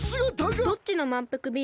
どっちのまんぷくビームですか？